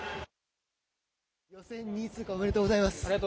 予選２位通過おめでとうございます。